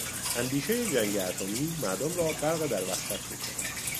اندیشهی جنگ اتمی مردم را غرق در وحشت میکند.